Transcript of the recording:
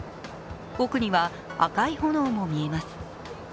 奥には赤い炎も見えます。